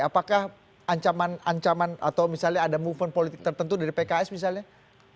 apakah ancaman ancaman atau misalnya ada movement politik tertentu dari pks misalnya